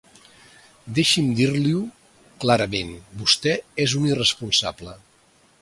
Deixi’m dir-li-ho clarament: vostè és un irresponsable.